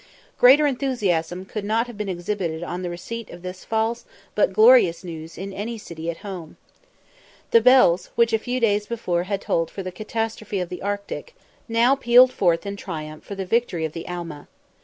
Greater enthusiasm could not have been exhibited on the receipt of this false but glorious news in any city at home. The bells, which a few days before had tolled for the catastrophe of the Arctic, now pealed forth in triumph for the victory of the Alma.